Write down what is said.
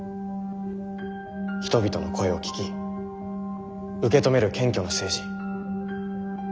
人々の声を聞き受け止める謙虚な政治。